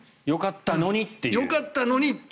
よかったのにと。